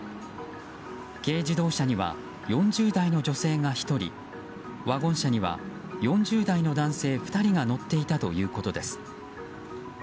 軽自動車には４０代の女性が１人ワゴン車には４０代の男性２人が乗っていたということです。